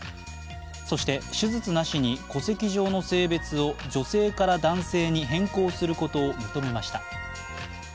そして手術なしに戸籍上の性別を女性から男性に変更することを認めました。